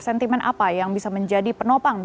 sentimen apa yang bisa menjadi penopang